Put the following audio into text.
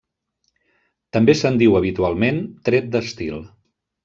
També se'n diu habitualment tret d'estil.